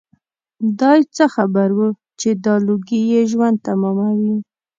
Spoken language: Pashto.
دای څه خبر و چې دا لوګي یې ژوند تماموي.